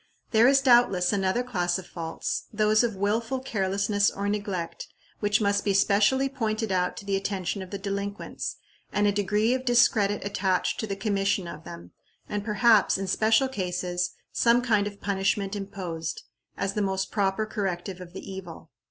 There is, doubtless, another class of faults those of willful carelessness or neglect which must be specially pointed out to the attention of the delinquents, and a degree of discredit attached to the commission of them, and perhaps, in special cases, some kind of punishment imposed, as the most proper corrective of the evil.